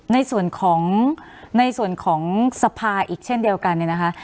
ในส่วนของในส่วนของสภาอีกเช่นเดียวกันเนี่ยนะคะ